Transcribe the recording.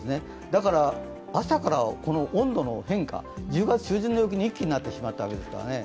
だから、朝から温度の変化１０月中旬の陽気に一気になってしまったわけですからね。